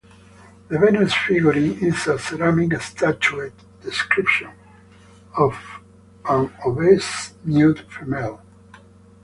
The Venus figurine is a ceramic statuette depiction of an obese, nude female.